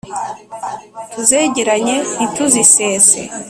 Tuzegeranye ntituzisese